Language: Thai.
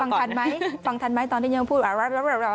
ฟังทันไหมฟังทันไหมตอนที่เงินพูดว่า